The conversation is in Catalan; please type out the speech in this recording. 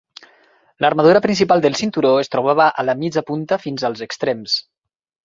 L'armadura principal del cinturó es trobava a la mitja punta fins als extrems.